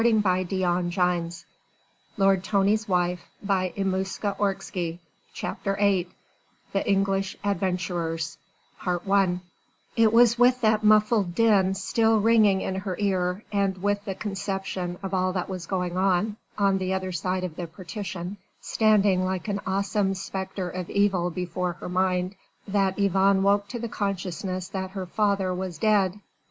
In the immediate nearness all was silence and darkness. CHAPTER VIII THE ENGLISH ADVENTURERS I It was with that muffled din still ringing in her ear and with the conception of all that was going on, on the other side of the partition, standing like an awesome spectre of evil before her mind, that Yvonne woke to the consciousness that her father was dead.